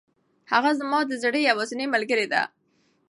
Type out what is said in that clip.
هغه زما د زړه یوازینۍ ملګرې ده.